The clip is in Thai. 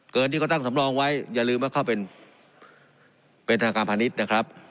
ที่เขาตั้งสำรองไว้อย่าลืมว่าเขาเป็นธนาคารพาณิชย์นะครับ